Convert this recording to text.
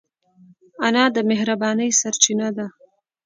انا د مهربانۍ سرچینه ده